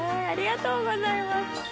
ありがとうございます。